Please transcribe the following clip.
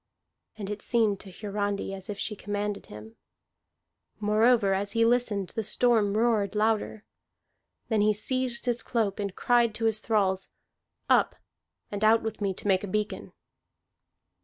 And it seemed to Hiarandi as if she commanded him. Moreover, as he listened, the storm roared louder. Then he seized his cloak, and cried to his thralls, "Up, and out with me to make a beacon!"